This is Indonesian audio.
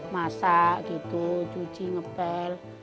masak gitu cuci ngebel